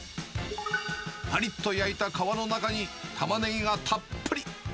ぱりっと焼いた皮の中にタマネギがたっぷり。